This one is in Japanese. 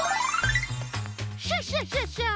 クシャシャシャシャ！